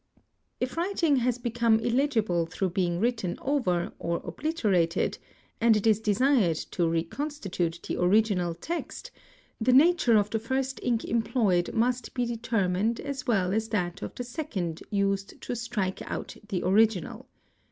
If writing has become illegible through being written over or obliter ated "4% and it is desired to reconstitute the original text, the nature of the first ink employed must be determined as well as that of the second — used to strike out the original.